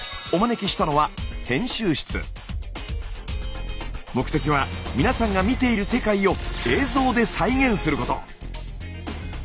お招きしたのは目的は皆さんが見ている世界を映像で再現すること。